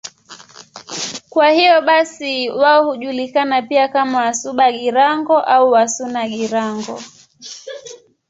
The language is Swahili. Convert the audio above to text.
Kwa hiyo basi wao hujulikana pia kama Wasuba-Girango au Wasuna-Girango.